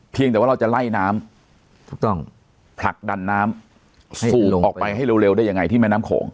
เพียงแต่ว่าเราจะไล่น้ำผลักดันน้ำสูบออกไปให้เร็วได้ยังไงที่แม่น้ำโขง